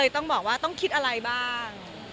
ต้องบอกว่าต้องคิดอะไรบ้าง